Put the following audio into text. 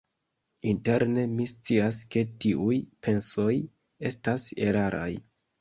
Interne mi scias ke tiuj pensoj estas eraraj.